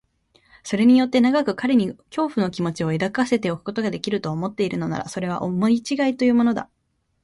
それによって長く彼に恐怖の気持を抱かせておくことができる、と思っているのなら、それは思いちがいというものだ。